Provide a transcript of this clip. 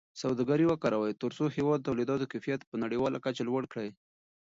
سوداګري وکاروئ ترڅو د هېواد د تولیداتو کیفیت په نړیواله کچه لوړ کړئ.